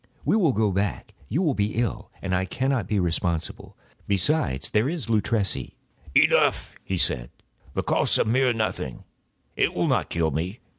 We will go back; you will be ill, and I cannot be responsible. Besides, there is Luchesi—" "Enough," he said; "the cough is a mere nothing; it will not kill me.